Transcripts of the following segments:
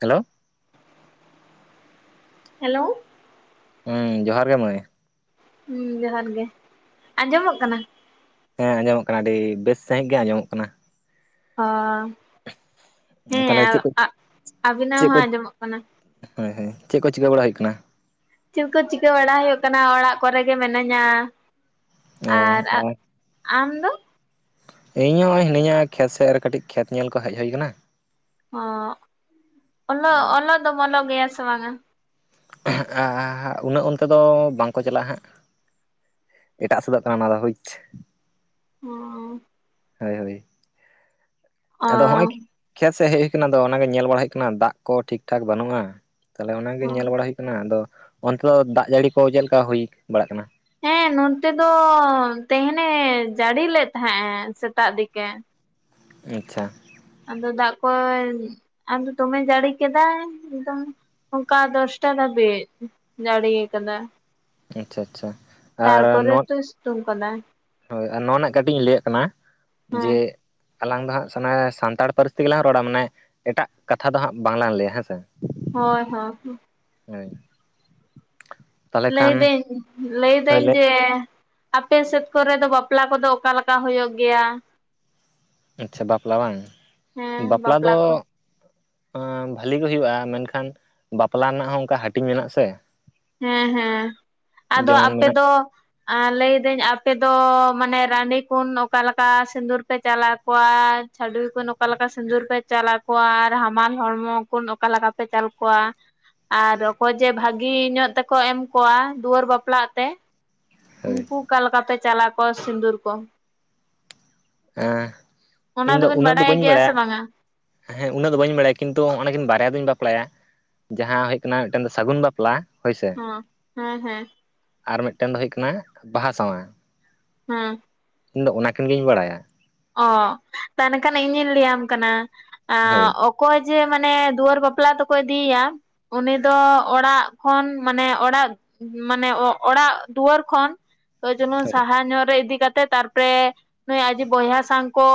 Hello hello ᱦᱩᱸ ᱡᱚᱦᱟᱨ ᱜᱮ ᱢᱟᱹᱭ ᱦᱮᱸ ᱡᱚᱦᱟᱨ ᱜᱮ ᱟᱸᱡᱚᱢᱚᱜ ᱠᱟᱱᱟ? ᱦᱮᱸ ᱟᱸᱡᱚᱢᱚᱜ ᱠᱟᱱᱟ ᱟᱹᱰᱤ ᱵᱮᱥ ᱥᱺᱦᱤᱡ ᱜᱮ ᱟᱸᱡᱚᱢᱚᱜ ᱠᱟᱱᱟ᱾ ᱚ ᱦᱮᱸ ᱛᱟᱦᱚᱞᱮ ᱪᱮᱫ ᱠᱚ ᱟᱹᱵᱤᱱᱟᱜ ᱦᱚᱸ ᱟᱸᱡᱚᱢᱚᱜ ᱠᱟᱱᱟ ᱦᱮᱭ ᱦᱮ ᱪᱮᱫ ᱠᱚ ᱪᱤᱠᱟᱹ ᱵᱟᱲᱟ ᱦᱩᱭᱩᱜ ᱠᱟᱱᱟ? ᱪᱮᱫ ᱠᱚ ᱪᱤᱠᱟᱹ ᱵᱟᱲᱟ ᱦᱩᱭᱩᱜ ᱠᱟᱱᱟ ᱚᱲᱟᱜ ᱠᱚᱨᱮ ᱜᱮ ᱢᱤᱱᱟᱹᱧ ᱟ ᱟᱨ ᱚ ᱟᱢ ᱫᱚ ᱤᱧ ᱦᱚᱸ ᱦᱤᱱᱟᱹᱧᱟ ᱠᱷᱮᱛ ᱥᱮᱫ ᱨᱮ ᱠᱟᱹᱴᱤᱡ ᱠᱷᱮᱛ ᱧᱮᱞ ᱠᱚ ᱦᱮᱡ ᱦᱩᱭ ᱟᱠᱟᱱᱟ᱾ ᱦᱚ ᱚᱸᱞᱚᱜ ᱚᱞᱚᱜ ᱫᱚᱢ ᱚᱞᱚᱜ ᱜᱮᱭᱟ ᱥᱮ ᱵᱟᱝᱟ? ᱟᱸᱦᱜ ᱦᱟ ᱟ ᱟ ᱩᱱᱟᱹᱜ ᱚᱱᱛᱮ ᱫᱚ ᱵᱟᱝᱠᱚ ᱪᱟᱞᱟᱜᱼᱟ ᱦᱟᱸᱜ ᱮᱴᱟᱜ ᱥᱮᱫᱚᱜ ᱠᱟᱱᱟ ᱚᱱᱟ ᱫᱚ ᱵᱩᱡᱽ ᱦᱚᱸ ᱦᱳᱭ ᱦᱳᱭ ᱟᱫᱚ ᱦᱚᱸᱜᱼᱚᱭ ᱚ ᱠᱷᱮᱛ ᱥᱮᱫ ᱦᱮᱡ ᱦᱩᱭ ᱠᱟᱱᱟ ᱟᱫᱚ ᱚᱱᱟᱜᱮ ᱧᱮᱞ ᱵᱟᱲᱟ ᱦᱩᱭᱩᱜ ᱠᱟᱱᱟ ᱫᱟᱜ ᱠᱚ ᱴᱷᱤᱠ ᱴᱷᱟᱠ ᱵᱟᱹᱱᱩᱜᱼᱟ᱾ ᱛᱟᱦᱚᱞᱮ ᱚᱱᱟᱜᱮ ᱧᱮᱞ ᱵᱟᱲᱟ ᱦᱩᱭᱩᱜ ᱠᱟᱱᱟ ᱟᱫᱚ ᱚᱱᱛᱮ ᱫᱚ ᱫᱟᱜ ᱡᱟᱹᱲᱤ ᱠᱚ ᱪᱮᱫ ᱞᱮᱠᱟ ᱦᱩᱭ ᱵᱟᱲᱟᱜ ᱠᱟᱱᱟ? ᱦᱮᱸ ᱱᱚᱱᱛᱮ ᱫᱚ ᱛᱮᱦᱮᱱᱮ ᱡᱟᱹᱲᱤ ᱞᱮᱫ ᱛᱟᱦᱮᱸᱜ ᱮ ᱥᱮᱛᱟᱜ ᱫᱤᱠᱮ᱾ ᱟᱪᱪᱷᱟ ᱟᱫᱚ ᱫᱟᱜ ᱠᱚᱭ ᱟᱫᱚ ᱫᱚᱢᱮ ᱡᱟᱹᱲᱤ ᱠᱮᱫᱟ ᱮᱠᱫᱚᱢ ᱚᱱᱠᱟ ᱫᱚᱥᱴᱟ ᱫᱷᱟᱹᱵᱤᱡ ᱡᱟᱹᱲᱤ ᱠᱟᱫᱟ ᱟᱪᱪᱷᱟ ᱟᱪᱪᱷᱟ ᱟᱨ ᱛᱟᱨᱯᱚᱨᱮ ᱱᱚᱣᱟ ᱛᱚ ᱥᱤᱛᱩᱝ ᱠᱟᱫᱟᱭ ᱦᱳᱭ ᱟᱨ ᱱᱚᱣᱟ ᱨᱮᱱᱟᱜ ᱠᱟᱹᱴᱤᱡ ᱤᱧ ᱞᱟᱹᱭᱟᱜ ᱠᱟᱱᱟ ᱦᱮᱸ ᱡᱮ ᱟᱞᱟᱝ ᱫᱚ ᱦᱟᱸᱜ ᱥᱟᱱᱮ [unintelligible] ᱥᱟᱱᱛᱟᱲ ᱯᱟᱹᱨᱥᱤ ᱛᱮ ᱜᱮᱞᱟᱝ ᱨᱚᱲᱟ ᱢᱟᱱᱮ ᱮᱴᱟᱜ ᱠᱟᱛᱷᱟ ᱫᱚ ᱦᱟᱸᱜ ᱵᱟᱝ ᱞᱟᱝ ᱞᱟᱹᱭᱟ ᱦᱮᱸ ᱥᱮ ᱦᱳᱭ ᱦᱚᱸ ᱦᱳᱭ ᱛᱟᱦᱚᱞᱮ ᱠᱷᱟᱱ ᱞᱟᱹᱭᱫᱟᱹᱧ ᱞᱟᱹᱭᱫᱟᱹᱧ ᱦᱳᱭᱞᱮ ᱡᱮ ᱟᱯᱮ ᱥᱮᱫ ᱠᱚᱨᱮ ᱫᱚ ᱵᱟᱯᱞᱟ ᱠᱚᱫᱚ ᱚᱠᱟ ᱞᱮᱠᱟ ᱦᱩᱭᱩᱜ ᱜᱮᱭᱟ? ᱟᱪᱪᱷᱟ ᱵᱟᱯᱞᱟ ᱵᱟᱝ ᱦᱮᱸ ᱵᱟᱯᱞᱟ ᱫᱚ ᱠᱚ ᱚᱸ ᱵᱷᱟᱞᱤ ᱜᱮ ᱦᱩᱭᱩᱜᱼᱟ ᱢᱮᱱᱠᱷᱟᱱ ᱵᱟᱯᱞᱟ ᱨᱮᱱᱟᱜ ᱦᱚᱸ ᱚᱱᱠᱟ ᱦᱟᱹᱴᱤᱧ ᱢᱮᱱᱟᱜ ᱥᱮ ᱦᱮᱸ ᱦᱮᱸ ᱟᱫᱚ ᱡᱮᱢᱚᱱ ᱟᱯᱮ ᱢᱮᱱᱟᱜ ᱫᱚ ᱟᱨ ᱞᱟᱹᱭᱫᱟᱹᱧ ᱟᱯᱮ ᱫᱚ ᱢᱟᱱᱮ ᱨᱟᱺᱰᱤᱠᱩᱱ ᱚᱠᱟᱞᱮᱠᱟ ᱥᱤᱸᱫᱩᱨ ᱯᱮ ᱪᱟᱞᱟ ᱠᱚᱣᱟ? ᱪᱷᱟᱹᱰᱩᱭ ᱠᱩᱱ ᱚᱠᱟ ᱞᱮᱠᱟ ᱥᱤᱸᱫᱩᱨ ᱯᱮ ᱪᱟᱞ ᱟᱠᱚᱣᱟ ᱟᱨ ᱦᱟᱢᱟᱞ ᱦᱚᱲᱢᱚ ᱠᱩᱱ ᱚᱠᱟ ᱞᱮᱠᱟ ᱯᱮ ᱪᱟᱞ ᱠᱚᱣᱟ? ᱟᱨ ᱚᱠᱚᱭ ᱡᱮ ᱵᱷᱟᱹᱜᱤ ᱧᱚᱜ ᱧᱚᱜᱛᱮᱠᱚ ᱮᱢ ᱠᱚᱣᱟ ᱫᱩᱣᱟᱹᱨ ᱵᱟᱯᱞᱟᱜ ᱛᱮ ᱦᱳᱭ ᱩᱱᱠᱩ ᱚᱠᱟᱞᱮᱠᱟ ᱯᱮ ᱪᱟᱞ ᱟᱠᱚᱣᱟ ᱥᱤᱫᱩᱨ ᱠᱚ? ᱦᱮᱸ ᱚᱱᱟ ᱤᱧ ᱫᱚ ᱫᱚᱵᱤᱱ ᱩᱱᱟᱹᱜ ᱫᱚ ᱵᱟᱰᱟᱭ ᱵᱟᱹᱧ ᱜᱮᱭᱟ ᱥᱮ ᱵᱟᱲᱟᱭᱟ᱾ ᱵᱟᱝᱟ ᱦᱮᱸ ᱩᱱᱟᱹᱜ ᱫᱚ ᱵᱟᱹᱧ ᱵᱟᱲᱟᱭᱟ ᱠᱤᱱᱛᱩ ᱚᱱᱟᱠᱤᱱ ᱵᱟᱨᱭᱟ ᱫᱩᱸᱧ ᱵᱟᱯᱞᱟᱭᱟ ᱡᱟᱦᱟᱸ ᱦᱩᱭᱩᱜ ᱠᱟᱱᱟ ᱢᱤᱫᱴᱮᱱ ᱫᱚ ᱥᱟᱹᱜᱩᱱ ᱵᱟᱯᱞᱟ᱾ ᱦᱳᱭᱥᱮ ᱦᱚᱸ ᱦᱮᱸ ᱦᱮᱸ ᱟᱨ ᱢᱤᱫᱴᱮᱱ ᱫᱚ ᱦᱩᱭᱩᱜ ᱠᱟᱱᱟ ᱵᱟᱦᱟ ᱥᱟᱸᱶᱟ᱾ ᱦᱩᱸ ᱤᱧ ᱫᱚ ᱚᱱᱟᱠᱤᱱ ᱜᱤᱧ ᱵᱟᱲᱟᱭᱟ᱾ ᱚ ᱛᱟᱦᱚᱞᱮ ᱠᱷᱟᱱ ᱤᱧᱤᱧ ᱞᱟᱹᱭᱟᱢ ᱠᱟᱱᱟ ᱦᱳᱭ ᱚᱠᱚᱭ ᱡᱮ ᱢᱟᱱᱮ ᱫᱩᱣᱟᱹᱨ ᱵᱟᱯᱞᱟ ᱛᱮᱠᱚ ᱤᱫᱤᱭᱮᱭᱟ ᱩᱱᱤ ᱫᱚ ᱚᱲᱟᱜ ᱠᱷᱚᱱ ᱢᱟᱱᱮ ᱚᱲᱟᱜ ᱢᱟᱱᱮ ᱚᱲᱟᱜ ᱫᱩᱣᱟᱹᱨ ᱠᱷᱚᱱ ᱠᱟᱹᱡ ᱪᱩᱞᱩᱝ ᱦᱳᱭ ᱥᱟᱦᱟ ᱧᱚᱜ ᱨᱮ ᱤᱫᱤ ᱠᱟᱛᱮᱜ ᱛᱟᱨᱯᱚᱨᱮ ᱱᱩᱭ ᱟᱡᱤ ᱵᱚᱭᱦᱟ ᱥᱟᱝ ᱠᱚ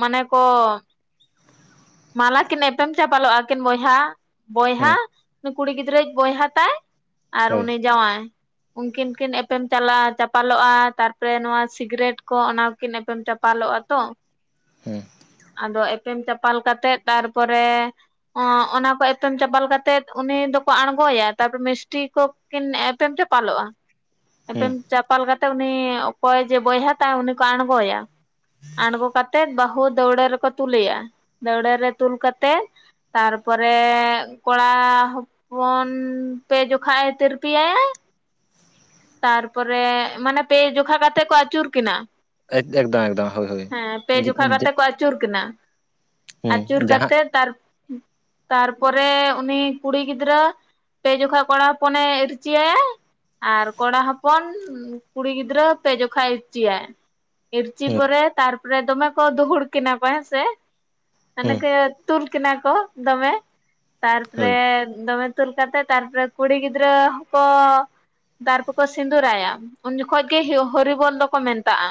ᱢᱟᱱᱮ ᱠᱚ ᱢᱟᱞᱟ ᱠᱤᱱ ᱮᱯᱮᱢ ᱪᱟᱯᱟᱞᱚᱜ-ᱟ ᱟᱹᱠᱤᱱ ᱵᱚᱭᱦᱟ ᱦᱩᱸ ᱵᱚᱭᱦᱟ ᱩᱱᱤ ᱠᱩᱲᱤ ᱜᱤᱫᱽᱨᱟᱹᱭ ᱵᱚᱭᱦᱟ ᱛᱟᱭ ᱟᱨ ᱦᱳᱭ ᱩᱱᱤ ᱡᱟᱶᱟᱭ᱾ ᱩᱱᱠᱤᱱ ᱠᱤᱱ ᱮᱯᱮᱢ ᱪᱟᱞᱟᱜᱼᱟ ᱪᱟᱯᱟᱞᱚᱜ-ᱟ ᱛᱟᱨᱯᱚᱨᱮ ᱱᱚᱣᱟ ᱥᱤᱜᱨᱮᱴ ᱠᱚ ᱚᱱᱟᱠᱤᱱ ᱮᱯᱮᱢ ᱪᱟᱯ ᱯᱟᱞᱚᱜ-ᱟᱛᱚ᱾ ᱦᱩᱸ, ᱟᱫᱚ ᱮᱯᱮᱢ ᱪᱟᱯᱟᱞ ᱠᱟᱛᱮᱜ ᱛᱟᱨᱯᱚᱨᱮ ᱚᱸ ᱚᱱᱟ ᱠᱚ ᱮᱞᱮᱢ ᱪᱟᱞᱟᱞ ᱠᱟᱛᱮᱜ ᱩᱱᱤ ᱫᱚᱠᱚ ᱟᱬᱜᱚᱭᱟ ᱛᱟᱨᱯᱚᱨᱮ ᱢᱤᱥᱴᱤ ᱠᱚ ᱮᱯᱮᱢ ᱪᱟᱯᱟᱞᱚᱜ-ᱟ᱾ ᱦᱩᱸ ᱮᱞᱮᱢ ᱪᱟᱯᱟᱞ ᱠᱟᱛᱮ ᱩᱱᱤ ᱚᱠᱚᱭ ᱡᱮ ᱵᱚᱭᱦᱟ ᱛᱟᱭ ᱩᱱᱤ ᱠᱚ ᱟᱬᱜᱚᱭᱟ᱾ ᱟᱬᱜᱚ ᱠᱟᱛᱮᱫ ᱵᱟᱹᱦᱩ ᱫᱟᱹᱣᱲᱟᱹ ᱨᱮᱠᱚ ᱛᱩᱞᱟᱹᱭᱟ ᱫᱟᱹᱣᱲᱟᱹ ᱨᱮ ᱛᱩᱞ ᱠᱟᱛᱮᱫ ᱛᱟᱨ ᱯᱚᱨᱮ ᱠᱚᱲᱟ ᱯᱷᱳᱱ ᱯᱮ ᱡᱚᱠᱷᱟᱡ ᱮ ᱛᱤᱨᱯᱤᱟᱭᱟᱭ ᱛᱟᱨᱯᱚᱨᱮ ᱢᱟᱱᱮ ᱯᱮ ᱡᱚᱠᱷᱟ ᱠᱟᱛᱮᱜ ᱠᱚ ᱟᱹᱪᱩᱨ ᱠᱤᱱᱟᱹ᱾ ᱮᱠᱫᱚᱢ ᱮᱠᱫᱚᱢ ᱦᱳᱭ ᱦᱳᱭ᱾ ᱡᱚᱠᱷᱟ ᱠᱟᱛᱮ ᱠᱚ ᱟᱹᱪᱩᱨ ᱠᱤᱱᱟ᱾ ᱟᱹᱪᱩᱨ ᱦᱩᱸ ᱡᱟᱦᱟᱸ ᱠᱟᱛᱮᱜ ᱛᱟᱨ ᱛᱟᱨᱯᱚᱨᱮ ᱩᱱᱤ ᱠᱩᱲᱤ ᱜᱤᱫᱽᱨᱟᱹ ᱯᱮ ᱡᱚᱠᱷᱟᱡ ᱠᱚᱲᱟ ᱦᱚᱯᱚᱱᱮ ᱤᱨᱪᱤᱭᱟᱭᱟ ᱟᱨ ᱠᱚᱲᱟ ᱦᱚᱯᱚᱱ ᱠᱩᱲᱤ ᱜᱤᱫᱽᱨᱟᱹ ᱯᱮ ᱡᱠᱷᱟᱡᱭ ᱮ ᱤᱨᱪᱤᱭᱟᱭ᱾ ᱤᱨᱪᱤ ᱦᱳᱭ ᱯᱚᱨᱮ ᱛᱟᱨᱯᱚᱨᱮ ᱫᱚᱢᱮ ᱠᱚ ᱫᱩᱦᱩᱲ ᱠᱤᱱᱟ ᱠᱚ ᱦᱮᱸᱥᱮ᱾ ᱚᱱᱮ ᱦᱩᱸ ᱠᱚ ᱛᱩᱞ ᱠᱤᱱᱟ ᱠᱚ ᱫᱚᱢᱮ ᱦᱳᱭ ᱛᱟᱨᱯᱚᱨᱮ ᱫᱚᱢᱮ ᱛᱩᱞ ᱠᱟᱛᱮ ᱛᱟᱨᱯᱚᱨᱮ ᱠᱩᱲᱤ ᱜᱤᱫᱽᱨᱟᱹ ᱦᱚᱸ ᱠᱚ ᱫᱟ ᱞᱚᱨᱠᱚ ᱥᱤᱸᱫᱩᱨᱟᱭᱟ ᱩᱱ ᱡᱚᱠᱷᱚᱡ ᱜᱮ ᱦᱮᱸ ᱦᱚᱨᱤᱵᱚᱞ ᱫᱚᱠᱚ ᱢᱮᱛᱟᱜ-ᱟ᱾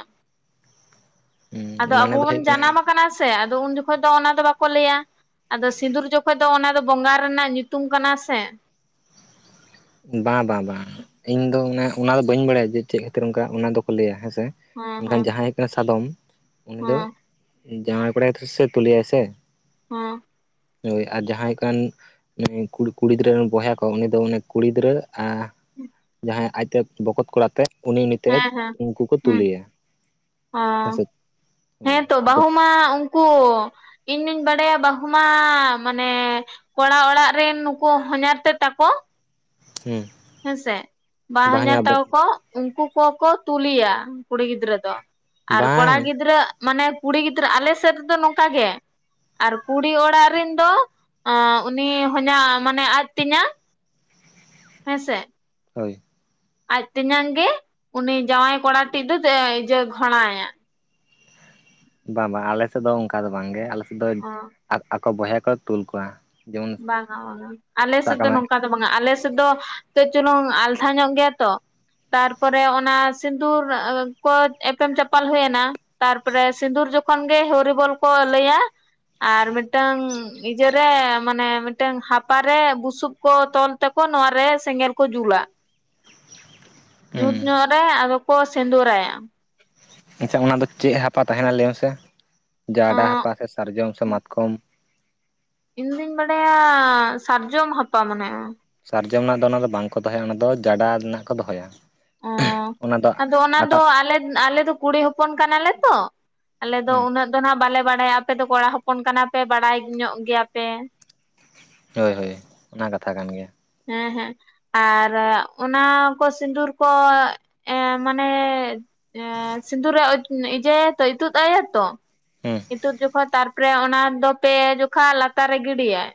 ᱟᱫᱚ ᱦᱩᱸ ᱟᱵᱚ ᱢᱟᱱᱮ ᱫᱚ ᱵᱚᱱ ᱦᱩᱭᱩᱜ ᱠᱟᱱᱟ ᱡᱟᱱᱟᱢᱠᱟᱱᱟ ᱥᱮ ᱟᱫᱚ ᱩᱱ ᱡᱚᱠᱷᱚᱱ ᱡᱚᱠᱷᱚᱱ ᱫᱚ ᱚᱱᱟ ᱫᱚ ᱵᱟᱠᱚ ᱞᱟᱹᱭᱟ ᱟᱫᱚ ᱥᱤᱸᱫᱩᱨ ᱡᱚᱠᱷᱚᱱ ᱫᱚ ᱚᱱᱟ ᱫᱚ ᱵᱚᱸᱜᱟ ᱨᱮᱱᱟᱜ ᱧᱩᱛᱩᱢ ᱠᱟᱱᱟ ᱥᱮ᱾ ᱵᱟᱝ ᱵᱟᱝ ᱵᱟᱝ ᱤᱧ ᱫᱚ ᱮᱱᱮ ᱚᱱᱟ ᱫᱚ ᱵᱟᱹᱧ ᱵᱟᱲᱟᱭᱟ ᱡᱮ ᱪᱮᱫ ᱠᱷᱟᱹᱛᱤᱨ ᱚᱱᱠᱟ ᱚᱱᱟ ᱫᱚᱠᱚ ᱞᱟᱹᱭᱟ ᱦᱮᱸᱥᱮ᱾ ᱦᱮᱸ ᱦᱮᱸ ᱢᱮᱱᱠᱷᱟᱱ ᱡᱟᱦᱟᱸᱭ ᱦᱩᱭᱩᱜ ᱠᱟᱱᱟ ᱥᱟᱫᱚᱢ ᱩᱱᱤ ᱫᱚ ᱦᱮᱸ ᱡᱟᱶᱟᱭ ᱠᱚᱲᱟᱭ ᱥᱮ ᱛᱩᱞᱤᱭᱟᱭ ᱥᱮ᱾ ᱦᱩᱸ, ᱦᱳᱭ ᱟᱨ ᱡᱟᱦᱟᱸᱭ ᱠᱟᱱ ᱠᱩᱲᱤ ᱠᱩᱲᱤ ᱜᱤᱫᱽᱨᱟᱹ ᱨᱮᱱ ᱵᱚᱭᱦᱟ ᱠᱚᱣᱟ ᱩᱱᱤ ᱫᱚ ᱚᱱ ᱠᱩᱲᱤ ᱜᱤᱫᱽᱨᱟᱹ ᱟ ᱡᱟᱦᱟᱸᱭ ᱟᱡᱛᱮ ᱵᱚᱠᱚᱛ ᱠᱚᱲᱟ ᱟᱛᱮ ᱩᱱᱤ ᱩᱱᱤᱛᱮᱫ ᱦᱮᱸ ᱦᱮᱸ ᱩᱱᱠᱩ ᱠᱚ ᱦᱩᱸ ᱛᱩᱞᱮᱭᱟ᱾ ᱦᱮᱸᱥᱮ [unintelligible] ᱦᱳᱭ ᱦᱮᱸ ᱛᱚ ᱵᱟᱹᱦᱩ ᱢᱟ ᱩᱱᱠᱩ ᱤᱧᱫᱩᱧ ᱵᱟᱰᱟᱭᱟ ᱵᱟᱹᱦᱩ ᱢᱟ ᱢᱟᱱᱮ ᱠᱚᱲᱟ ᱚᱲᱟᱜ ᱨᱮᱱ ᱱᱩᱠᱩ ᱦᱚᱭᱟᱨ ᱛᱮ ᱛᱟᱠᱚ ᱦᱩᱸ ᱦᱮᱸᱥᱮ ᱵᱟᱨ ᱵᱟᱝ ᱦᱚᱭᱟᱨ ᱛᱟᱠᱚ ᱠᱚ ᱩᱱᱠᱩ ᱠᱚᱠᱚ ᱛᱩᱞᱤᱭᱟ ᱠᱩᱲᱤ ᱜᱤᱫᱽᱨᱟᱹ ᱫᱚ, ᱟᱨ ᱠᱚᱲᱟ ᱵᱟᱝ ᱜᱤᱫᱽᱨᱟᱹ ᱢᱟᱱᱮ ᱠᱩᱲᱤ ᱜᱤᱫᱽᱨᱟᱹ ᱟᱞᱮ ᱥᱮᱫ ᱨᱮᱫᱚ ᱱᱚᱝᱠᱟ ᱜᱮ ᱟᱨ ᱠᱩᱲᱤ ᱚᱲᱟᱜ ᱨᱮᱱ ᱫᱚ ᱩᱱᱤ ᱦᱚᱭᱟᱨ ᱢᱟᱱᱮ ᱟᱡ ᱛᱤᱭᱟᱧ ᱦᱮᱸ ᱥᱮ᱾ ᱦᱳᱭ, ᱟᱡ ᱛᱮᱧᱟᱝ ᱜᱮ ᱩᱱᱤ ᱡᱟᱶᱟᱭ ᱠᱚᱲᱟ ᱴᱤᱡ ᱫᱚ ᱤᱣᱟ ᱜᱷᱚᱲᱟᱭᱟ᱾ ᱵᱟᱝ ᱵᱟᱝ ᱟᱞᱮᱥᱮᱫ ᱫᱚ ᱚᱱᱠᱟ ᱫᱚ ᱵᱟᱝ ᱜᱮ ᱟᱞᱮᱥᱮᱫ ᱫᱚ ᱚ ᱟᱠᱚ ᱵᱚᱭᱦᱟ ᱠᱚ ᱛᱩᱞ ᱠᱚᱣᱟ᱾ ᱡᱮᱢᱚᱱ ᱵᱟᱝᱟ ᱵᱟᱝᱟ ᱟᱞᱮ ᱥᱮᱫ ᱥᱟᱵ ᱠᱟᱜ ᱫᱚ ᱢᱮ ᱱᱚᱝᱠᱟ ᱵᱟᱝᱟ ᱟᱞᱮ ᱥᱮᱫ ᱫᱚ ᱠᱮᱹᱪ ᱪᱩᱞᱩᱝ ᱟᱞᱛᱷᱟ ᱧᱚᱜ ᱜᱮᱭᱟ ᱛᱚ᱾ ᱛᱟᱨᱯᱚᱨᱮ ᱚᱱᱟ ᱥᱤᱸᱫᱩᱨ ᱠᱚ ᱮᱯᱮᱢ ᱪᱟᱯᱟᱞ ᱦᱩᱭᱱᱟ᱾ ᱛᱟᱨᱯᱚᱨᱮ ᱥᱤᱸᱫᱩᱨ ᱡᱚᱠᱷᱚᱱ ᱜᱮ ᱦᱨᱤᱵᱚᱞ ᱠᱚ ᱞᱟᱹᱭᱟ ᱟᱨ ᱢᱤᱫᱴᱟᱝ ᱤᱡᱟ ᱹᱨᱮ ᱢᱟᱱᱮ ᱢᱤᱫᱴᱟᱝ ᱦᱟᱯᱟᱮ ᱵᱩᱥᱩᱵ ᱠᱚ ᱛᱚᱞ ᱛᱮᱠᱚ ᱱᱚᱶᱟᱨᱮ ᱥᱮᱸᱜᱮᱞ ᱠᱚ ᱡᱩᱞᱟ ᱧᱩᱛ ᱦᱩᱸ ᱧᱩᱚᱜ ᱨᱮ ᱟᱫᱚ ᱠᱚ ᱥᱤᱸᱫᱩᱨᱟᱭᱟ ᱟᱪᱪᱷᱟ ᱚᱱᱟ ᱫᱚ ᱪᱮᱫ ᱦᱟᱯᱟ ᱛᱟᱦᱮᱱᱟ ᱞᱟᱹᱭ ᱢᱮᱥᱮᱫ ᱡᱟᱰᱟᱜ ᱚᱸᱜ ᱦᱟᱯᱟ ᱥᱮ ᱥᱟᱨᱡᱚᱢ ᱥᱮ ᱢᱟᱛᱠᱚᱢ ᱤᱧ ᱫᱩᱧ ᱵᱟᱰᱟᱭ ᱥᱟᱨᱡᱚᱢ ᱦᱟᱯᱟ ᱢᱟᱱᱮ ᱦᱚᱭ ᱥᱟᱨᱡᱚᱢ ᱨᱮᱱᱟᱜ ᱫᱚ ᱚᱱᱟ ᱫᱚ ᱵᱟᱝᱠᱚ ᱫᱚᱦᱚᱭᱟ ᱚᱱᱟ ᱫᱚ ᱡᱟᱰᱟ ᱨᱮᱱᱟᱜ ᱠᱚ ᱫᱚᱦᱚᱭᱟ ᱚᱸ ᱚᱱᱟ ᱫᱚ ᱟᱫᱚ ᱚᱱᱟ ᱫᱚ ᱟᱴᱟᱜ ᱟᱞᱮ ᱟᱞᱮ ᱫᱚ ᱠᱩᱲᱤ ᱦᱚᱯᱚᱱ ᱠᱟᱱᱟᱞᱮ ᱛᱚ ᱟᱞᱮ ᱫᱚ ᱦᱩᱸ ᱩᱱᱟᱹᱜ ᱫᱚᱱᱷᱟᱜ ᱵᱟᱞᱮ ᱵᱟᱲᱟᱭᱟ ᱟᱯᱮ ᱫᱚ ᱠᱚᱲᱟ ᱦᱚᱯᱚᱱ ᱠᱟᱱᱟ ᱯᱮ ᱵᱟᱲᱟᱭ ᱧᱚᱜ ᱜᱮᱭᱟᱯᱮ ᱦᱳᱭ ᱦᱳᱭ ᱚᱱᱟ ᱠᱟᱛᱷᱟ ᱠᱟᱱ ᱜᱮᱭᱟ ᱦᱮᱸ ᱦᱮᱸ ᱟᱨ ᱚᱱᱟ ᱠᱚ ᱥᱤᱸᱫᱩᱨ ᱠᱚ ᱮ ᱢᱟᱱᱮ ᱮᱸᱻ ᱥᱤᱸᱫᱩᱨ ᱨᱮ ᱤᱡᱟᱹ ᱟᱭᱟᱭ ᱛᱚ ᱤᱛᱩᱫ ᱟᱭᱟ ᱛᱚ ᱦᱩᱸ ᱤᱛᱩᱫ ᱡᱚᱠᱷᱚᱡ ᱛᱟᱨᱯᱚᱨᱮ ᱚᱱᱟ ᱫᱚ ᱯᱮ ᱡᱚᱠᱷᱚᱡ ᱞᱟᱛᱟᱨ ᱨᱮ ᱜᱤᱰᱤᱭᱟᱭ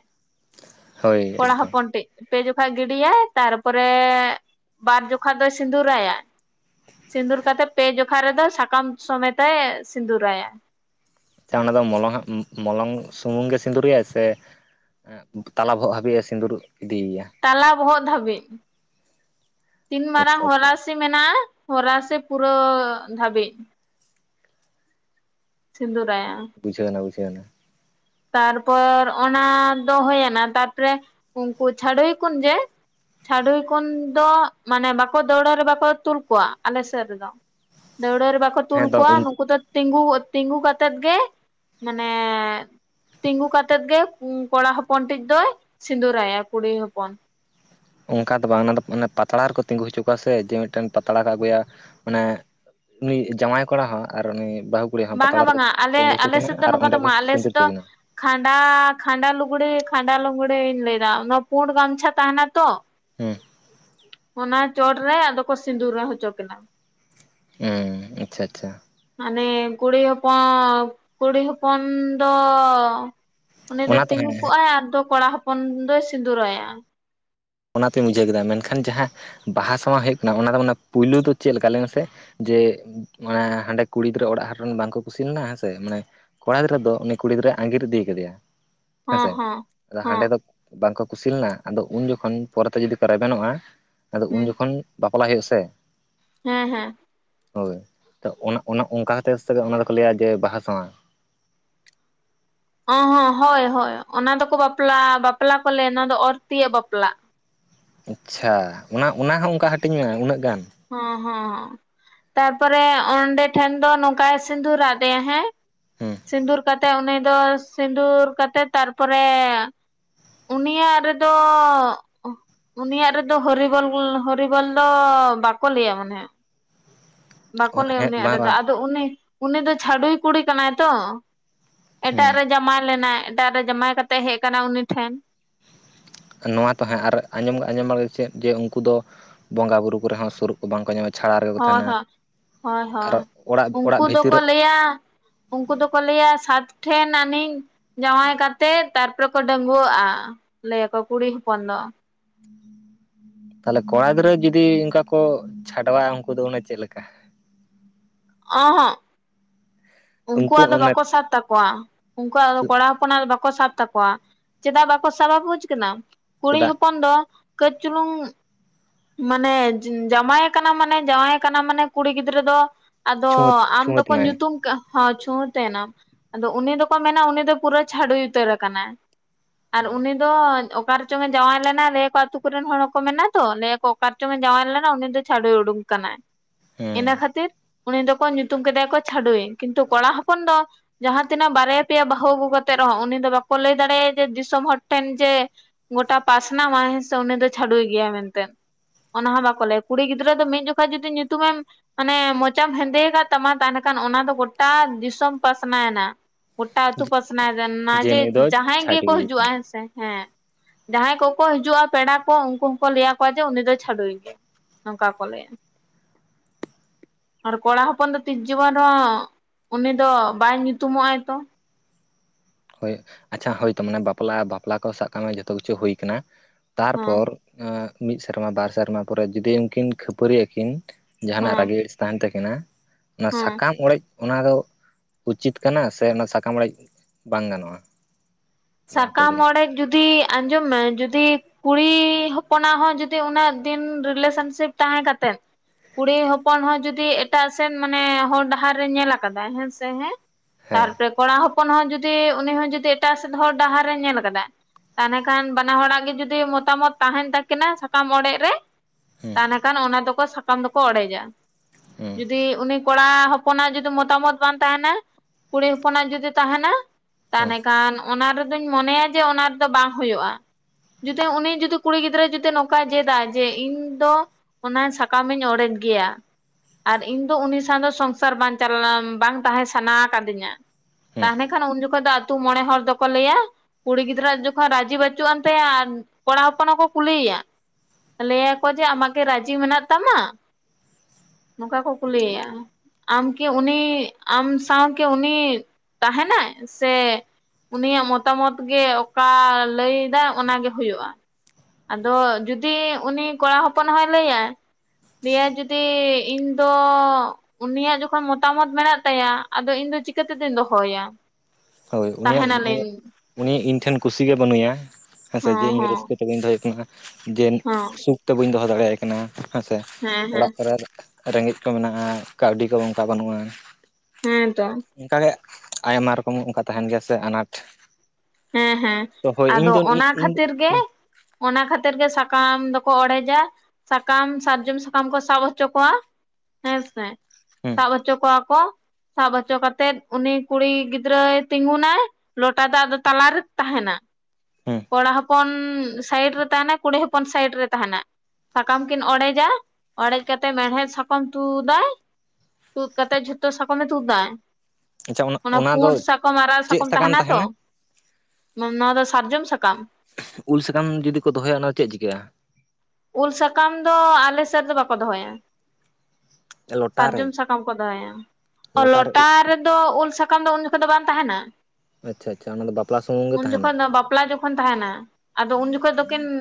ᱦᱳᱭ ᱠᱚᱲᱟ ᱮᱠᱫᱚᱢ ᱦᱚᱯᱚᱱ ᱴᱤᱡ ᱯᱮ ᱡᱚᱠᱷᱟ ᱜᱤᱰᱤᱭᱟᱭ ᱛᱟᱨᱯᱚᱨᱮ ᱵᱟᱨ ᱡᱚᱠᱷᱟ ᱫᱚᱭ ᱥᱤᱸᱫᱩᱨᱟᱭᱟᱭ ᱥᱤᱫᱩᱨ ᱠᱟᱛᱮᱫ ᱯᱮ ᱡᱚᱠᱷᱟ ᱨᱮᱫᱚ ᱥᱟᱠᱟᱢ ᱥᱚᱢᱮᱛ ᱮᱭ ᱥᱤᱸᱫᱩᱨᱟᱭᱟ ᱡᱟ ᱚᱱᱟ ᱫᱚ ᱢᱚᱞᱚᱝ ᱟᱜ ᱢᱚᱞᱚᱝ ᱥᱩᱢᱩᱝ ᱜᱮ ᱥᱤᱸᱫᱩᱨᱤᱭᱟᱭ ᱥᱮ ᱮᱜ ᱛᱟᱞᱟ ᱵᱚᱦᱚᱜ ᱦᱟᱹᱵᱤᱡ ᱮ ᱥᱤᱸᱫᱩᱨ ᱤᱫᱤᱭᱭᱟ ᱛᱟᱞᱟ ᱵᱚᱦᱚᱜ ᱫᱷᱟᱹᱵᱤᱡ ᱛᱤᱱ ᱢᱟᱨᱟᱝ ᱟᱪᱪᱷᱟ ᱟᱪᱪᱷᱟ ᱦᱚᱨᱟ ᱥᱤᱢ ᱢᱮᱱᱟᱜᱼᱟ ᱦᱚᱨᱟᱥᱤ ᱯᱩᱨᱟᱹ ᱫᱷᱟᱹᱵᱤᱡ ᱥᱤᱸᱫᱷᱩᱨᱟᱭᱟᱭ ᱵᱩᱡᱷᱟᱹᱣ ᱮᱱᱟ ᱵᱩᱡᱷᱣ ᱮᱱᱟ ᱛᱟᱨᱯᱚᱨ ᱚᱱᱟ ᱫᱚ‌ ᱦᱚᱭᱮᱱᱟ ᱛᱟᱨᱯᱚᱨᱮ ᱩᱱᱠᱩ ᱪᱷᱟᱰᱩᱭ ᱠᱷᱚᱱ ᱜᱮ ᱪᱟᱹᱰᱩᱭ ᱠᱚᱱ ᱫᱚ ᱢᱟᱱᱮ ᱵᱟᱠᱚ ᱫᱟᱹᱣᱲᱟᱹ ᱨᱮ ᱵᱟᱠᱚ ᱛᱩᱞ ᱠᱚᱣᱟ ᱟᱞᱮ ᱥᱮᱫ ᱨᱮᱫᱚ ᱫᱟᱹᱣᱲᱟᱹ ᱨᱮ ᱵᱟᱠᱚ ᱛᱩᱞ ᱦᱮᱸ ᱛᱚ ᱠᱚᱣᱟ ᱩᱱᱠᱩ ᱱᱩᱠᱩ ᱫᱚ ᱛᱤᱸᱜᱩ ᱛᱤᱸᱜᱩ ᱠᱟᱛᱮᱜ ᱜᱮ ᱢᱟᱱᱮ ᱛᱤᱸᱜᱩ ᱠᱟᱛᱮᱜ ᱜᱮ ᱠᱚᱲᱟ ᱦᱚᱯᱚᱱ ᱴᱮᱱ ᱫᱚᱭ ᱥᱤᱸᱫᱩᱨᱟᱭᱟᱭ ᱠᱩᱲᱤ ᱦᱚᱯᱚᱱ ᱚᱱᱠᱟ ᱫᱚ ᱵᱟᱝ ᱚᱱᱟ ᱫᱚ ᱚᱱᱟ ᱯᱟᱛᱲᱟ ᱨᱮᱠᱚ ᱛᱤᱸᱜᱩ ᱦᱚᱪᱚ ᱠᱚᱣᱟ ᱥᱮ ᱡᱮ ᱢᱤᱫ ᱴᱮᱱ ᱯᱟᱛᱲᱟ ᱠᱚ ᱟᱹᱜᱩᱭᱟ ᱚᱱᱮ ᱩᱱᱤ ᱡᱟᱶᱟᱭ ᱠᱚᱲᱟ ᱦᱚᱸ ᱟᱨ ᱩᱱᱤ ᱵᱟᱹᱦᱩ ᱠᱩᱲᱤ ᱦᱚᱸ ᱵᱟᱝᱼᱟ ᱯᱟᱛᱲᱟ ᱨᱮᱠᱚ ᱵᱟᱝᱼᱟ ᱟᱞᱮ ᱛᱤᱸᱜᱩ ᱦᱚᱪᱚ ᱟᱞᱮ ᱠᱤᱱᱟ ᱥᱮᱫ ᱫᱚ ᱟᱨ ᱱᱚᱝᱠᱟ ᱚᱸᱰᱮ ᱫᱚ ᱠᱚ ᱵᱟᱝ ᱟᱞᱮ ᱥᱤᱸᱫᱩᱨ ᱥᱮᱫ ᱫᱚ ᱦᱚᱪᱚ ᱠᱤᱱᱟ ᱠᱷᱟᱸᱰᱟ ᱠᱷᱟᱸᱰᱟ ᱞᱩᱜᱽᱲᱤ ᱠᱷᱟᱸᱰᱟ ᱞᱩᱜᱽᱲᱤᱧ ᱞᱟᱹᱭᱟ ᱚᱱᱟ ᱯᱩᱸᱰ ᱜᱟᱢᱪᱷᱟ ᱛᱟᱦᱮᱱ ᱟ ᱛᱚ ᱦᱩᱸ ᱚᱱᱟ ᱪᱚᱴ ᱨᱮ ᱟᱫᱚ ᱠᱚ ᱥᱤᱸᱫᱩᱨ ᱨᱟ ᱦᱚᱪᱚ ᱠᱤᱱᱟ ᱦᱩᱸ ᱟᱪᱪᱷᱟ ᱟᱪᱪᱷᱟ ᱢᱟᱱᱮ ᱠᱩᱲᱤ ᱦᱚᱯᱚᱱ ᱠᱩᱲᱤ ᱦᱚᱯᱚᱱ ᱫᱚ ᱩᱱᱤ ᱫᱚᱭ ᱚᱱᱟ ᱛᱚ ᱛᱤᱸᱜᱩ ᱦᱮᱸ ᱠᱚᱜᱼᱟᱭ ᱟᱨᱫᱚ ᱠᱚᱲᱟ ᱦᱚᱯᱚᱱ ᱫᱚᱭ ᱥᱤᱸᱫᱩᱨᱟᱭᱟ ᱚᱱᱟᱛᱤᱧ ᱵᱩᱡᱷᱟᱹᱣ ᱠᱮᱫᱟ ᱢᱮᱱᱠᱷᱟᱱ ᱡᱟᱦᱟᱸ ᱵᱟᱦᱟ ᱥᱟᱶ ᱦᱩᱭᱩᱜ ᱠᱟᱱᱟ ᱚᱱᱟ ᱫᱚ ᱚᱱᱟ ᱯᱩᱭᱞᱳ ᱫᱚ ᱪᱮᱫ ᱞᱮᱠᱟ ᱞᱟᱹᱭ ᱢᱮᱥᱮ ᱡᱮ ᱢᱟ ᱦᱟᱸᱰᱮ ᱠᱩᱲᱤ ᱜᱤᱫᱽᱨᱟᱹ ᱚᱲᱟᱜ ᱨᱮᱱ ᱵᱟᱝᱠᱚ ᱠᱩᱥᱤ ᱞᱮᱱᱼᱟ ᱦᱮᱸᱥᱮ ᱢᱟᱱᱮ ᱠᱚᱲᱟ ᱜᱤᱫᱽᱨᱟᱹ ᱫᱚ ᱩᱱᱤ ᱠᱩᱲ ᱜᱤᱫᱽᱨᱟᱹ ᱟᱜᱤᱨ ᱤᱫᱤ ᱠᱟᱫᱮᱭᱟ ᱦᱚᱸ ᱦᱮᱸᱥᱮ ᱦᱚᱸ ᱟᱫᱚ ᱦᱚᱸ ᱦᱟᱸᱰᱮ ᱫᱚ ᱵᱟᱝᱠᱚ ᱠᱩᱥᱤ ᱞᱮᱱᱟ ᱟᱫᱚ ᱩᱱ ᱡᱚᱠᱷᱚᱱ ᱠᱷᱚᱱ ᱯᱚᱨᱮ ᱛᱮ ᱡᱩᱫᱤ ᱠᱚ ᱨᱟᱵᱮᱱᱚᱜᱼᱟ ᱟᱫᱚ ᱩᱱ ᱦᱩᱸ ᱡᱚᱠᱷᱚᱱ ᱵᱟᱯᱞᱟ ᱦᱩᱭᱩᱜᱼᱟ ᱥᱮ ᱦᱮᱸ ᱦᱮᱸ ᱦᱳᱭ ᱛᱚ ᱚᱱᱟ ᱚᱱᱠᱟ ᱠᱟᱛᱮᱛ ᱫᱚᱠᱚ ᱞᱟᱹᱭᱟ ᱡᱮ ᱵᱟᱦᱟ ᱥᱟᱶᱟ᱾ ᱚ ᱦᱚᱸ ᱦᱳᱭ ᱦᱳᱭ ᱚᱱᱟ ᱫᱚᱠᱚ ᱵᱟᱯᱞᱟ ᱵᱟᱯᱞᱟ ᱠᱚ ᱞᱟᱹᱭ ᱟ ᱱᱚᱣᱟ ᱫᱚ ᱚᱨᱛᱤᱭᱚᱜ ᱵᱟᱯᱞᱟᱜ ᱟᱪᱪᱷᱟ ᱚᱱᱟ ᱚᱱᱟ ᱦᱚᱸ ᱚᱱᱠᱟ ᱦᱟᱹᱴᱤᱧ ᱢᱮᱜᱼᱟ ᱩᱱᱟᱹᱜ ᱜᱟᱱ ᱦᱚᱸ ᱦᱚᱸ ᱛᱟᱨᱯᱚᱨᱮ ᱚᱸᱰᱮ ᱴᱷᱮᱱ ᱫᱚ ᱱᱚᱝᱠᱟᱭ ᱥᱤᱸᱫᱩᱨ ᱟᱫᱮᱭᱟ ᱦᱮᱸ ᱦᱩᱸ ᱥᱤᱸᱫᱩᱨ ᱠᱟᱛᱮᱫ ᱩᱱᱤ ᱫᱚ ᱥᱤᱸᱫᱩᱨ ᱠᱟᱛᱮᱫ ᱛᱟᱨᱯᱚᱨᱮ ᱩᱱᱤᱭᱟᱜ ᱨᱮᱫᱚ ᱩᱱᱤᱭᱟᱜ ᱨᱮᱫᱚ ᱦᱚᱨᱤᱵᱚᱞ ᱦᱚᱨᱤᱵᱚᱞ ᱫᱚ ᱵᱟᱠᱚ ᱞᱟᱹᱭᱟ ᱢᱟᱱᱮ ᱦᱚᱭ ᱵᱟᱠᱚ ᱞᱟᱹᱭᱟ ᱦᱮᱸ ᱩᱱᱤᱭᱟᱜ ᱵᱟᱝ ᱨᱮ ᱫᱚ ᱵᱟᱝ ᱟᱫᱚ ᱩᱱᱤ ᱩᱱᱤ ᱫᱚ ᱪᱷᱟᱹᱰᱩᱭᱟᱹ ᱠᱩᱲᱤ ᱠᱟᱱᱟᱭ ᱛᱚ ᱮᱴᱟᱜ ᱦᱩᱸ ᱨᱮ ᱡᱟᱢᱟᱭ ᱞᱮᱱᱟᱭ ᱮᱴᱟᱜ ᱨᱮ ᱡᱟᱶᱟᱭ ᱠᱟᱛᱮ ᱦᱮᱡ ᱠᱟᱱᱟ ᱩᱱᱤ ᱴᱷᱮᱱ ᱱᱚᱣᱟ ᱛᱚ ᱦᱮᱸ ᱟᱨ ᱟᱸᱡᱚᱢ ᱟᱸᱡᱚᱢ ᱵᱟᱲᱮ ᱪᱮᱫ ᱡᱮ ᱩᱱᱠᱩ ᱫᱚ ᱵᱚᱸᱜᱟ ᱵᱩᱨᱩ ᱠᱚ ᱨᱮ ᱦᱚᱸ ᱥᱩᱨᱩᱜ ᱵᱟᱝ ᱠᱚ ᱧᱟᱢᱟ ᱪᱷᱟᱲᱟ ᱨᱮ ᱦᱳᱭ ᱦᱚᱸᱜ ᱦᱳᱭ ᱦᱳᱭ ᱚᱲᱟᱜ ᱩᱝᱠᱩ ᱚᱲᱟᱜ ᱫᱚᱠᱚ ᱵᱷᱤᱛᱤᱨ ᱞᱮᱭᱟ ᱩᱝᱠᱩ ᱫᱚ ᱠᱚ ᱞᱮᱭᱟ ᱥᱟᱛ ᱴᱷᱮᱱ ᱟᱹᱱᱤᱡ ᱡᱟᱶᱟᱭ ᱠᱟᱛᱮᱜ ᱛᱟᱨᱯᱚᱨᱮ ᱠᱚ ᱰᱟᱺᱵᱣᱟᱹᱜᱼᱟ ᱞᱮᱭ ᱟᱠᱚ ᱠᱩᱲᱤ ᱦᱚᱯᱚᱱ ᱫᱚ ᱛᱟᱦᱞᱮ ᱠᱚᱲᱟ ᱜᱤᱫᱽᱨᱟᱹ ᱡᱩᱫᱤ ᱚᱝᱠᱟ ᱠᱚ ᱪᱷᱟᱰᱣᱟᱼᱟ ᱩᱝᱠᱩ ᱫᱚ ᱚᱱᱮ ᱪᱮᱫ ᱞᱮᱟ ᱚᱸᱦᱚᱸᱜ ᱩᱱᱠᱩ ᱩᱱᱠᱩᱣᱟᱜ ᱫᱚ ᱚᱱᱟ ᱵᱟᱠᱚ ᱥᱟᱵ ᱛᱟᱠᱚᱣᱟ ᱩᱝᱠᱩ ᱣᱟᱜ ᱫᱚ ᱠᱚᱲᱟᱯ ᱚᱱᱟ ᱫᱚ ᱵᱟᱠᱚ ᱥᱟᱵ ᱛᱟᱠᱚᱣᱟ ᱪᱮᱫᱟᱜ ᱵᱟᱠᱚ ᱥᱟᱵᱟ ᱵᱩᱡᱷ ᱠᱮᱫᱟᱢ ᱠᱩᱲᱤ ᱪᱮᱫᱟᱜ ᱦᱚᱯᱚᱱ ᱫᱚ ᱠᱟᱹᱡ ᱪᱩᱞᱩᱝ ᱢᱟᱱᱮ ᱡᱟᱢᱟᱭ ᱠᱟᱱᱟᱢ ᱢᱟᱱᱮ ᱡᱟᱶᱟᱭ ᱠᱟᱱᱟᱢ ᱢᱟᱱᱮ ᱠᱩᱲᱤ ᱜᱤᱫᱽᱨᱟᱹ ᱫᱚ ᱟᱫᱚ ᱪᱷᱩᱸᱛ ᱟᱢ ᱫᱚ ᱪᱷᱩᱸᱛ ᱠᱚ ᱱᱟᱭ ᱧᱩᱛᱩᱢ ᱠᱟᱜ ᱦᱚᱸ ᱪᱷᱩᱸᱛ ᱮᱱᱟ ᱟᱫᱚ ᱩᱱᱤ ᱫᱚ ᱠᱚ ᱢᱮᱱᱟ ᱩᱱᱤ ᱫᱚ ᱯᱩᱨᱟᱹ ᱪᱷᱟᱰᱩᱭᱤ ᱩᱛᱟᱹᱨ ᱠᱟᱱᱟᱭ ᱟᱨ ᱩᱱᱤ ᱫᱚᱧ ᱚᱠᱟ ᱨᱮᱪᱚᱝᱮ ᱡᱟᱶᱟᱭ ᱞᱮᱱᱟ ᱞᱮᱭᱟ ᱠᱚ ᱟᱛᱩ ᱠᱚᱨᱮᱱ ᱦᱚᱲ ᱦᱚᱸ ᱠᱚ ᱢᱮᱱᱟ ᱛᱚ ᱞᱮᱭ ᱚᱠᱟᱨᱮ ᱪᱚᱝ ᱮ ᱡᱟᱶᱟᱭ ᱞᱮᱱᱟ ᱩᱱᱤ ᱫᱚᱭ ᱪᱷᱟᱰᱩᱭᱤ ᱩᱰᱩᱸᱠ ᱠᱟᱱᱟᱭ ᱤᱱᱟᱹ ᱦᱮᱸ ᱠᱷᱟᱹᱛᱤᱨ ᱩᱱᱤ ᱫᱚ ᱠᱚ ᱧᱩᱛᱩᱢ ᱠᱮᱫᱮᱭᱟ ᱠᱚ ᱪᱷᱟᱹᱰᱩᱭᱤ ᱠᱤᱱᱛᱩ ᱠᱚᱲᱟ ᱦᱚᱯᱚᱱ ᱫᱚ ᱡᱟᱦᱟᱸ ᱛᱤᱱᱟᱹᱜ ᱵᱟᱨᱭᱟ ᱯᱮᱭᱟ ᱵᱟᱹᱦᱩ ᱟᱹᱜᱩ ᱠᱟᱛᱮᱜ ᱨᱮᱦᱚᱸ ᱩᱱᱤ ᱫᱚ ᱵᱟᱠᱚ ᱞᱟᱹᱭ ᱫᱟᱲᱮᱭᱟᱭᱟ ᱡᱮ ᱫᱤᱥᱚᱢ ᱦᱚᱲ ᱴᱷᱮᱱ ᱡᱮ ᱜᱚᱴᱟ ᱯᱟᱥᱱᱟᱣᱟᱭ ᱦᱮᱸ ᱥᱮ ᱩᱱᱤ ᱫᱚ ᱪᱷᱟᱰᱩᱭᱤ ᱜᱮᱭᱟᱭ ᱢᱮᱱᱛᱮ ᱚᱱᱟ ᱦᱚᱸ ᱵᱟᱠᱚ ᱞᱮᱭᱟ ᱠᱩᱲᱤ ᱜᱤᱫᱽᱨᱟᱹ ᱫᱚ ᱢᱤᱜ ᱡᱚᱠᱷᱚᱡ ᱡᱩᱫᱤ ᱧᱩᱛᱩᱢᱮᱢ ᱢᱟᱱᱮ ᱢᱚᱪᱟᱢ ᱦᱮᱸᱫᱮ ᱟᱠᱟᱜ ᱛᱟᱢᱟ ᱛᱟᱦᱚᱱᱮ ᱠᱷᱟᱱ ᱚᱱᱟ ᱫᱚ ᱜᱚᱴᱟ ᱫᱤᱥᱚᱢ ᱯᱟᱥᱱᱟᱭᱮᱱᱟ ᱜᱚᱴᱴᱟ ᱟᱹᱛᱩ ᱯᱟᱥᱱᱟᱣᱵᱮᱱ ᱱᱟ ᱡᱮ ᱱᱩᱭ ᱫᱚ ᱡᱟᱦᱟᱸᱭ ᱜᱮ ᱠᱚ ᱪᱷᱟᱹᱰᱣᱤ ᱦᱤᱡᱩᱜᱼᱟ ᱠᱟᱱᱟᱭ ᱦᱮᱸ ᱥᱮ ᱦᱮᱸ ᱡᱟᱦᱟᱸᱭ ᱠᱚᱠᱚ ᱦᱤᱡᱩᱜᱼᱟ ᱯᱮᱲᱟ ᱠᱚ ᱩᱝᱠᱩ ᱦᱚᱸᱠᱚ ᱞᱮᱭᱟ ᱠᱚᱣᱟ ᱡᱮ ᱩᱱᱤ ᱫᱚᱭ ᱪᱷᱟᱰᱩᱭᱤ ᱜᱮᱭᱟ ᱱᱚᱝᱠᱟ ᱠᱚ ᱞᱮᱭᱟ ᱟᱨ ᱠᱚᱲᱟ ᱦᱚᱯᱚᱱ ᱫᱚ ᱛᱤᱥ ᱡᱤᱵᱚᱱ ᱨᱮ ᱦᱚᱸ ᱩᱱᱤ ᱫᱚ ᱵᱟᱭ ᱧᱩᱛᱩᱢᱚᱜ ᱟᱭ ᱛᱚ ᱦᱳᱭ ᱟᱪᱪᱷᱟ ᱦᱳᱭᱛᱚ ᱢᱟᱱᱮ ᱵᱟᱯᱞᱟ ᱵᱟᱯᱞᱟ ᱠᱚ ᱥᱟᱵ ᱠᱟᱜ ᱢᱮ ᱡᱚ ᱛᱚ ᱠᱤᱪᱷᱩ ᱦᱩᱭ ᱠᱟᱱᱟ ᱦᱮᱸ ᱛᱟᱨᱯᱚᱨ ᱢᱤᱜ ᱴᱤ ᱥᱮᱨᱢᱟ ᱵᱟᱨ ᱥᱮᱨᱢᱟ ᱯᱚᱨᱮ ᱡᱩᱫᱤ ᱩᱱᱠᱤᱱ ᱠᱷᱟᱹᱯᱟᱹᱨᱤ ᱟᱹᱠᱤᱱ ᱡᱟᱦᱟᱱᱟᱜ ᱦᱮᱸ ᱨᱟᱜᱤ ᱟᱹᱲᱤᱥ ᱛᱟᱦᱮᱱ ᱛᱟᱹᱠᱤ ᱠᱤᱱᱟ ᱚᱱᱟ ᱦᱮᱸ ᱥᱟᱠᱟᱢ ᱚᱲᱮᱡ ᱚᱱᱟ ᱫᱚ ᱩᱪᱤᱛ ᱠᱟᱱᱟ ᱥᱮ ᱚᱱᱟ ᱥᱟᱠᱟᱢ ᱚᱲᱮᱡ ᱵᱟᱝ ᱜᱟᱱᱚᱜᱼᱟ ᱡᱟᱦᱟᱸ ᱠᱚ ᱥᱟᱠᱟᱢ ᱞᱟᱹᱭᱟ ᱚᱲᱮᱡ ᱡᱩᱫᱤ ᱟᱸᱡᱚᱢ ᱢᱮ ᱡᱩᱫᱤ ᱠᱩᱲᱤ ᱦᱚᱯᱚᱱᱟᱜ ᱦᱚᱸ ᱡᱩᱫᱤ ᱩᱱᱟᱹᱜ ᱫᱤᱱ ᱨᱤᱞᱮᱥᱮᱱᱥᱤᱯ ᱛᱟᱦᱮᱸ ᱠᱟᱛᱮᱫ ᱠᱩᱲᱤ ᱦᱚᱯᱚᱱ ᱦᱚᱸ ᱡᱩᱫᱤ ᱮᱴᱟᱜ ᱥᱮᱱ ᱢᱟᱱᱮ ᱦᱚᱨ ᱰᱟᱦᱟᱨ ᱨᱮ ᱧᱮᱞ ᱟᱠᱟᱫᱟᱭ ᱦᱮᱸ ᱥᱮ ᱦᱮᱸ ᱦᱮᱸ ᱛᱟᱨᱯᱚᱨᱮ ᱠᱚᱲᱟ ᱦᱚᱯᱚᱱ ᱦᱚᱸ ᱡᱩᱫᱤ ᱩᱱᱤ ᱦᱚᱸ ᱡᱩᱫᱤ ᱮᱴᱟᱜ ᱥᱮᱫ ᱦᱚᱨ ᱰᱟᱦᱟᱨᱮ ᱧᱮᱞ ᱠᱟᱫᱟ ᱛᱟᱦᱚᱞᱮ ᱠᱷᱟᱱ ᱵᱟᱱᱟ ᱦᱚᱲᱟᱜ ᱜᱮ ᱡᱩᱫᱤ ᱢᱚᱛᱟᱢᱚᱛ ᱛᱟᱦᱮᱱ ᱛᱟᱹᱠᱤᱱᱟ ᱥᱟᱠᱟᱢ ᱚᱲᱮᱜ ᱨᱮ ᱦᱩᱸ ᱛᱟᱦᱚᱞᱮ ᱠᱷᱟᱱ ᱚᱱᱟ ᱫᱚ ᱠᱚ ᱥᱟᱠᱟᱢ ᱫᱚ ᱠᱚ ᱚᱲᱮᱡᱟ ᱦᱩᱸ ᱡᱩᱫᱤ ᱩᱱᱤ ᱠᱚᱲᱟ ᱦᱚᱯᱚᱱᱟᱜ ᱡᱩᱫᱤ ᱢᱚᱛᱟᱢᱚᱛ ᱵᱟᱝ ᱛᱟᱦᱮᱱᱟ ᱠᱩᱲᱤ ᱦᱚᱯᱚᱱᱟᱜ ᱡᱩᱫᱤ ᱛᱟᱦᱮᱱᱟ ᱦᱩᱸ ᱛᱟᱦᱚᱞᱮ ᱠᱷᱟᱱ ᱚᱱᱟ ᱨᱮᱫᱚᱧ ᱢᱚᱱᱮᱭᱟ ᱡᱮ ᱚᱱᱟ ᱨᱮ ᱫᱚ ᱵᱟᱝ ᱦᱳᱭᱳᱜᱼᱟ ᱡᱩᱫᱤ ᱩᱱᱤ ᱡᱩᱫᱤ ᱠᱩᱲᱤ ᱜᱤᱫᱽᱨᱟᱹ ᱡᱩᱫᱤ ᱱᱚᱝᱠᱟᱭ ᱡᱮᱫᱟ ᱡᱮ ᱤᱧ ᱫᱚ ᱚᱱᱟ ᱥᱟᱠᱟᱢ ᱤᱧ ᱚᱲᱮᱡ ᱜᱮᱭᱟ ᱟᱨ ᱤᱧ ᱫᱚ ᱩᱱᱤ ᱥᱟᱶ ᱫᱚ ᱥᱚᱝᱥᱟᱨ ᱵᱟᱝ ᱪᱟᱞᱟ ᱵᱟᱝ ᱛᱟᱦᱮᱸ ᱥᱟᱱᱟᱣ ᱠᱟᱫᱤᱧᱟ ᱦᱩᱸ ᱛᱟᱦᱚᱞᱮ ᱠᱷᱟᱱ ᱩᱱ ᱡᱚᱠᱷᱚᱡ ᱫᱚ ᱟᱹᱛᱩ ᱢᱚᱬᱮ ᱦᱚᱲ ᱫᱚ ᱠᱚ ᱞᱮᱭᱟ ᱠᱩᱲᱤ ᱜᱤᱫᱽᱨᱟᱹᱣᱟᱜ ᱡᱚᱠᱷᱚᱜ ᱨᱟᱡᱤ ᱵᱟᱹᱪᱩᱜᱼᱟᱱ ᱛᱟᱭᱟ ᱟᱨ ᱠᱚᱲᱟ ᱦᱚᱯᱚᱱ ᱦᱚᱸᱠᱚ ᱠᱩᱞᱤᱭᱮᱭᱟ ᱞᱮᱭᱟ ᱠᱚ ᱡᱮ ᱟᱢᱟᱜ ᱠᱤ ᱨᱟᱹᱡᱤ ᱢᱮᱱᱟᱜ ᱛᱟᱢᱟ ᱱᱚᱝᱠᱟ ᱠᱚ ᱠᱩᱞᱤᱭ ᱭᱟ ᱟᱢ ᱠᱤ ᱩᱱᱤ ᱟᱢ ᱥᱟᱶᱠᱮ ᱩᱱᱤ ᱛᱟᱦᱮᱱᱟᱭ ᱥᱮ ᱩᱱᱤᱭᱟᱜ ᱢᱚᱛᱟᱢᱚᱛ ᱜᱮ ᱚᱠᱟ ᱞᱟᱹᱭ ᱫᱟ ᱚᱱᱟᱜᱮ ᱦᱳᱭᱳᱜᱼᱟ ᱟᱫᱚ ᱡᱩᱫᱤ ᱩᱱᱤ ᱠᱚᱲᱟ ᱦᱚᱯᱚᱱ ᱦᱚᱭ ᱞᱟᱹᱭᱟᱭ ᱞᱮᱭᱟᱭ ᱡᱩᱫᱤ ᱤᱧ ᱫᱚ ᱩᱱᱤᱭᱟᱜ ᱡᱚᱠᱷᱚᱱ ᱢᱚᱛᱟᱢᱚᱛ ᱢᱮᱱᱟᱜ ᱛᱟᱭᱟ ᱟᱫᱚ ᱤᱧ ᱫᱚ ᱪᱤᱠᱟᱹ ᱛᱮᱫᱚᱧ ᱫᱚᱦᱚᱭ ᱣᱟ ᱦᱳᱭ ᱩᱱᱤᱭᱟᱜ ᱩᱱᱤ ᱩᱱᱤ ᱤᱱ ᱴᱷᱮᱱ ᱠᱩᱥᱤ ᱜᱮ ᱵᱟᱹᱱᱩᱭᱟ ᱦᱮᱸᱥᱮ ᱡᱮ ᱦᱚᱸ ᱤᱧ ᱦᱚᱸ ᱨᱟᱹᱥᱠᱟᱹ ᱵᱟᱹᱧ ᱫᱚᱦᱚᱭᱮ ᱠᱟᱱᱟ ᱡᱮ ᱦᱚᱸ ᱥᱩᱠᱛᱮ ᱵᱟᱹᱧ ᱫᱚᱦᱚ ᱫᱟᱲᱮᱭᱟᱭ ᱠᱟᱱᱟ ᱦᱮᱸᱥᱮ ᱦᱮᱸ ᱦᱮᱸ ᱚᱲᱟᱜ ᱠᱚᱨᱮ ᱨᱮᱸᱜᱮᱡ ᱠᱚ ᱢᱮᱱᱟᱜᱼᱟ ᱠᱟᱹᱣᱰᱤ ᱠᱚ ᱚᱝᱠᱟ ᱵᱟᱹᱱᱩᱜᱼᱟ᱾ ᱦᱮᱸ ᱛᱚ ᱚᱝᱠᱟᱜᱮ ᱟᱭᱢᱟ ᱨᱚᱠᱚᱢ ᱚᱝᱠᱟ ᱛᱟᱸᱦᱮᱱ ᱜᱮᱭᱟ ᱥᱮ ᱟᱱᱟᱴ᱾ ᱦᱮᱸ ᱦᱮᱸ ᱛᱚ ᱦᱳᱭ ᱤᱧ ᱟᱫᱚ ᱫᱚ ᱤᱧ ᱚᱱᱟ ᱤᱧ ᱠᱷᱟᱹᱛᱤᱨ ᱜᱮ ᱼᱼ ᱚᱱᱟ ᱠᱷᱟᱹᱛᱤᱨ ᱜᱮ ᱥᱟᱠᱟᱢ ᱫᱚᱠᱚ ᱚᱲᱮᱡᱟ᱾ ᱥᱟᱠᱟᱢ ᱥᱟᱨᱡᱚᱢ ᱥᱟᱠᱟᱢ ᱠᱚ ᱥᱟᱵ ᱦᱚᱪᱚ ᱠᱚᱣᱟ ᱦᱮᱸ ᱥᱮ। ᱦᱩᱸ ᱥᱟᱵ ᱦᱚᱪᱚ ᱠᱚᱣᱟ ᱠᱚ। ᱥᱟᱵ ᱦᱚᱪᱚ ᱠᱟ ᱠᱟᱛᱮᱫ ᱩᱱᱤ ᱠᱩᱲᱤ ᱜᱤᱫᱽᱨᱟᱹᱭ ᱛᱤᱸᱜᱩᱱᱟ ᱞᱚᱴᱟ ᱫᱟᱜ ᱫᱚ ᱼᱼ ᱛᱟᱞᱟᱨᱮ ᱛᱟᱦᱮᱱᱟ। ᱦᱩᱸ ᱠᱚᱲᱟ ᱦᱚᱯᱚᱱ ᱥᱟᱭᱤᱰ ᱨᱮ ᱛᱟᱸᱦᱮᱱᱟ ᱠᱩᱲᱤ ᱦᱚᱯᱚᱱ ᱥᱟᱭᱤᱴ ᱨᱮ ᱛᱟᱸᱦᱮᱱᱟ। ᱥᱟᱠᱟᱢ ᱠᱤᱱ ᱚᱲᱮᱡᱟ᱾ ᱚᱲᱮᱡ ᱠᱟᱛᱮ ᱢᱮᱲᱦᱮᱫ ᱥᱟᱠᱟᱢ ᱛᱩᱫᱟᱭ। ᱛᱩᱫ ᱠᱟ ᱠᱟᱛᱮ ᱡᱷᱚᱛᱚ ᱥᱟᱠᱚᱢᱮ ᱛᱩᱫ ᱫᱟᱭ। ᱚᱱᱟ ᱯᱩᱸᱰ ᱥᱟᱠᱚᱢ ᱟᱨᱟᱜ ᱪᱮᱫ ᱥᱟᱠᱚᱢ ᱥᱟᱠᱟᱢ ᱛᱟᱦᱮᱱᱟ ᱛᱚ? ᱱᱚᱣᱟ ᱫᱚ ᱥᱟᱨᱡᱚᱢ ᱥᱟᱠᱟᱢ। ᱩᱞ ᱥᱟᱠᱟᱢ ᱡᱩᱫᱤ ᱠᱚ ᱫᱚᱦᱚᱭᱟ ᱚᱱᱟ ᱫᱚ ᱪᱮᱫ ᱪᱤᱠᱟᱹᱜᱼᱟ ᱩᱞ ᱥᱟᱠᱟᱢ ᱫᱚ ᱟᱞ ᱥᱮᱫ ᱫᱚ ᱵᱟᱠᱚ ᱫᱚᱦᱚᱭᱟ। ᱞᱚᱴᱟᱨᱮ ᱥᱟᱨᱡᱚᱢ ᱥᱟᱠᱟᱢ ᱠᱚ ᱫᱚᱦᱚᱭᱟ᱾ ᱟᱨ ᱞᱚᱴᱟᱨᱮ ᱞᱚᱴᱟ ᱨᱮᱫᱚ ᱩᱞ ᱥᱟ ᱠᱟᱢ ᱫᱚ ᱩᱱ ᱡᱚᱠᱷᱚᱡ ᱫᱚ ᱵᱟᱝ ᱛᱟᱹᱦᱮᱱᱟ। ᱟᱪᱪᱷᱟ ᱟᱪᱪᱷᱟ ᱚᱱᱟᱫᱚ ᱵᱟᱯᱞᱟ ᱥᱩᱢᱩᱝ ᱜᱮ ᱛᱟᱦᱮᱱᱟ? ᱡᱚᱠᱷᱚᱱ ᱵᱟᱯᱞᱟ ᱡᱚ ᱠᱷᱚᱱ ᱛᱟᱸᱦᱮᱱᱟ ᱟᱫᱚ ᱩᱱ ᱡᱚᱠᱷᱚᱱ ᱫᱚᱠᱤᱱ ᱼᱼ